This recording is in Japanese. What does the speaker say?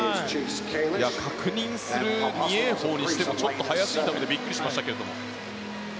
確認する２泳法にしてもちょっと速すぎたのでビックリしましたが。